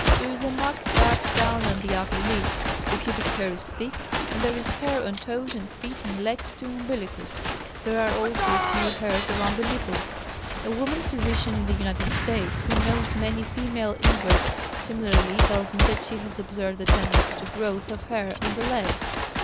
There is marked dark down on the upper lip; the pubic hair is thick, and there is hair on toes and feet and legs to umbilicus; there are also a few hairs around the nipples. A woman physician in the United States who knows many female inverts similarly tells me that she has observed the tendency to growth of hair on the legs.